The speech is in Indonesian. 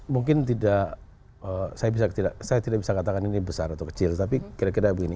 mungkin tidak saya tidak bisa katakan ini besar atau kecil tapi kira kira begini